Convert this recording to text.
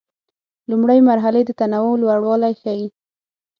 لومړۍ مرحلې د تنوع لوړوالی ښيي.